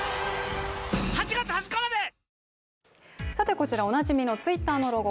こちら、おなじみのＴｗｉｔｔｅｒのロゴ